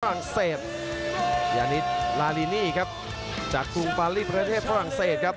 ฝรั่งเศสยานิดลาลินีครับจากกรุงฟาลี่ประเทศฝรั่งเศสครับ